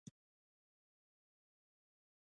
آزاد تجارت مهم دی ځکه چې سوداګري اسانوي.